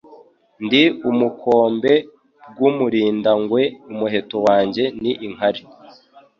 Ndi ubukombe bw' UmurindangweUmuheto wanjye ni inkare